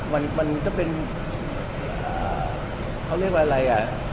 มันมันก็เป็นเขาเรียกว่าอะไรอ่ะ